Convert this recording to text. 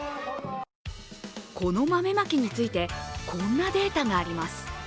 この豆まきについてこんなデータがあります。